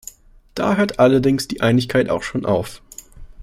Da hört allerdings die Einigkeit auch schon auf.